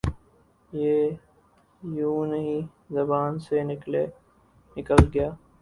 یہ یونہی زبان سے نکل گیا